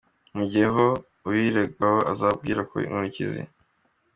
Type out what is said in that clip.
Mu gihe hoba uwubirengako, azokwibonera inkurikizi.